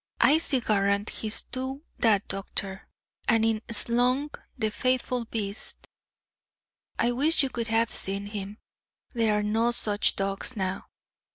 "I'se warrant he's do that, doctor;" and in slunk the faithful beast. I wish you could have seen him. There are no such dogs now.